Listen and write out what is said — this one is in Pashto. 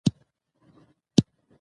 وږی تږی وي رنځور وي لېونی وي